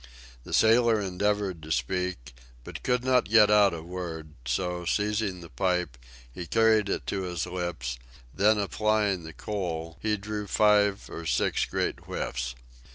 The sailor endeavored to speak, but could not get out a word; so, seizing the pipe, he carried it to his lips, then applying the coal, he drew five or six great whiffs.